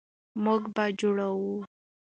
موږ به جوړوو.